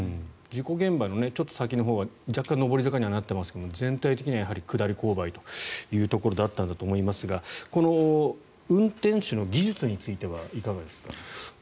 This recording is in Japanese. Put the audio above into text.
事故現場のちょっと先のほうは若干上り坂にはなっていますが全体的には、やはり下り勾配というところだったと思いますがこの運転手の技術についてはいかがですか。